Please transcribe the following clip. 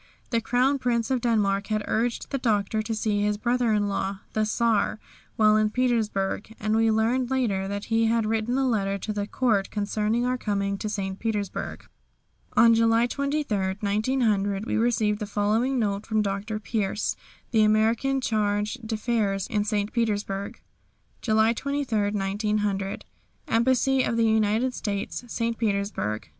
The Crown Prince of Denmark had urged the Doctor to see his brother in law, the Czar, while in St. Petersburg, and we learned later that he had written a letter to the Court concerning our coming to St. Petersburg. On July 23, 1900, we received the following note from Dr. Pierce, the American Charge d'Affaires in St. Petersburg: "July 23, 1900. "Embassy of the United States, St. Petersburg.